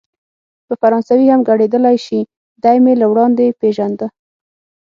په فرانسوي هم ګړیدلای شي، دی مې له وړاندې پېژانده.